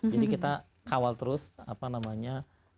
jadi kita kawal terus apa namanya